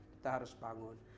kita harus bangun